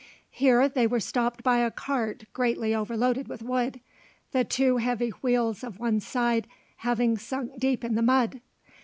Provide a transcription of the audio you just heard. Here they were stopped by a cart greatly overloaded with wood, the two heavy wheels of one side having sunk deep in the mud.